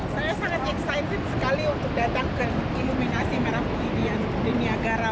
saya sangat excited sekali untuk datang ke iluminasi merah putih di niagara